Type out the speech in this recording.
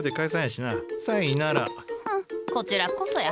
こちらこそや。